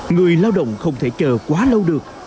người lao động không thể chờ quá lâu được